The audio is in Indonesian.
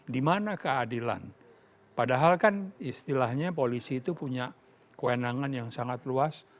dimana keadilan padahal kan istilahnya polisi itu punya kewenangan yang sangat luas